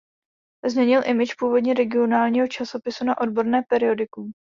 Změnil image původně regionálního časopisu na odborné periodikum.